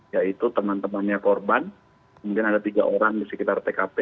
yaitu teman temannya korban kemudian ada tiga orang di sekitar tkp